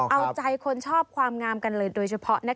เอาใจคนชอบความงามกันเลยโดยเฉพาะนะคะ